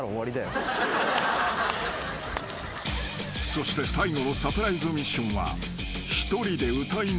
［そして最後のサプライズミッションは］